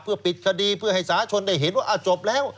ปิดคดีเพื่อให้สาชนได้เห็นว่าจบแล้ว